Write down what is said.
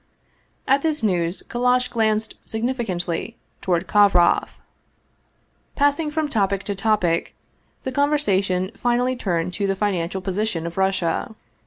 At this news Kallash glanced significantly toward Kov roff. Passing from topic to topic, the conversation finally turned to the financial position of Russia.